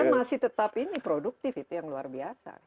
dan masih tetap ini produktif itu yang luar biasa